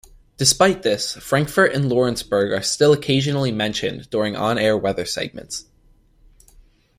Despite this, Frankfort and Lawrenceburg are still occasionally mentioned during on-air weather segments.